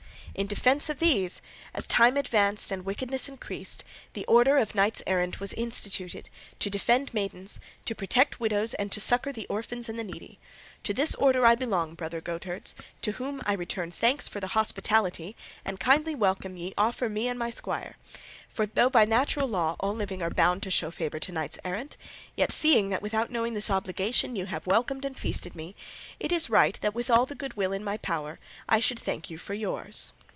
In defence of these, as time advanced and wickedness increased, the order of knights errant was instituted, to defend maidens, to protect widows and to succour the orphans and the needy. To this order I belong, brother goatherds, to whom I return thanks for the hospitality and kindly welcome ye offer me and my squire; for though by natural law all living are bound to show favour to knights errant, yet, seeing that without knowing this obligation ye have welcomed and feasted me, it is right that with all the good will in my power I should thank you for yours."